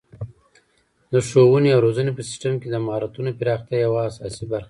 د ښوونې او روزنې په سیستم کې د مهارتونو پراختیا یوه اساسي برخه ده.